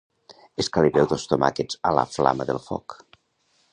Escaliveu dos tomàquets a la flama del foc